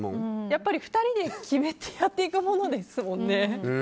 やっぱり２人で決めてやっていくものですもんね。